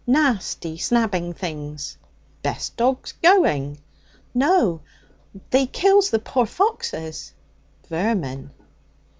'Nasty snabbing things.' 'Best dogs going.' 'No, they kills the poor foxes.' 'Vermin.'